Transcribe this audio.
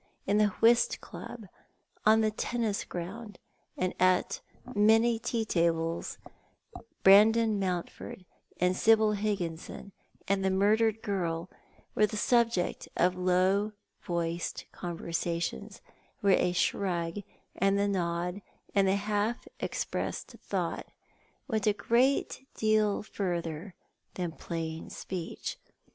lu the whist club, on the tennis ground, and at many tea tables, Brandon Mountford and Sibyl Higginson, and the murdered girl were the subject of low voiced conversations, where the shrug, and the nod, and the half expressed thought went a great deal further than plain speech.